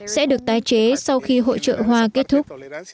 sẽ được tái chế sau khi hội trợ hoa kết thúc